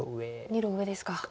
２路上ですか。